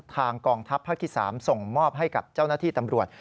กองทัพภาคที่๓ส่งมอบให้กับเจ้าหน้าที่ตำรวจ